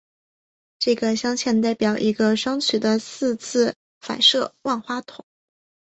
这个镶嵌代表一个双曲的四次反射万花筒。